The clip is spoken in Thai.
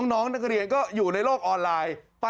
น้องนักเรียนก็อยู่ในโลกออนไลน์